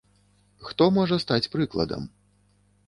Хто можа стаць прыкладам?